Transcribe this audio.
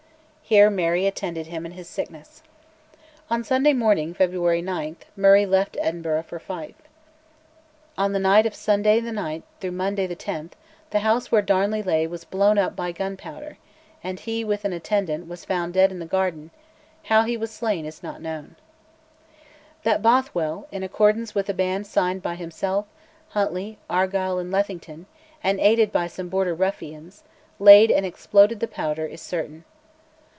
Here Mary attended him in his sickness. On Sunday morning, February 9, Murray left Edinburgh for Fife. In the night of Sunday 9 Monday 10, the house where Darnley lay was blown up by gunpowder, and he, with an attendant, was found dead in the garden: how he was slain is not known. That Bothwell, in accordance with a band signed by himself, Huntly, Argyll, and Lethington, and aided by some Border ruffians, laid and exploded the powder is certain.